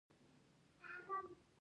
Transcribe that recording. آیا د ایران او ترکیې اړیکې مهمې نه دي؟